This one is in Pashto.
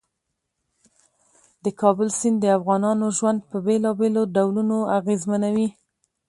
د کابل سیند د افغانانو ژوند په بېلابېلو ډولونو اغېزمنوي.